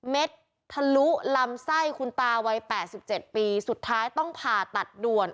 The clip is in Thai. เม็ดทะลุลำไส้คุณตาวัย๘๗ปีสุดท้ายต้องผ่าตัดด่วน